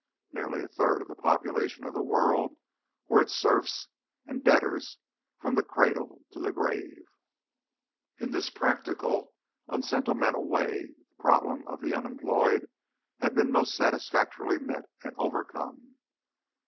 Nearly a third of the population of the world were its serfs and debtors from the cradle to the grave. In this practical, unsentimental way the problem of the unemployed had been most satisfactorily met and overcome.